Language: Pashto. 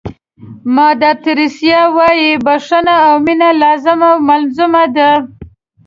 مادر تریسیا وایي بښنه او مینه لازم او ملزوم دي.